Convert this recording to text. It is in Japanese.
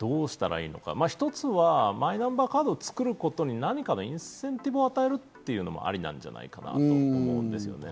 一つはマイナンバーカードを作ること自体に何かのインセンティブを与えるというのもありなんじゃないかなと思うんですね。